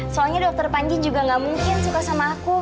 soalnya dokter panji juga gak mungkin suka sama aku